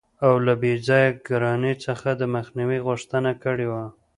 او له بې ځایه ګرانۍ څخه دمخنیوي غوښتنه کړې وه.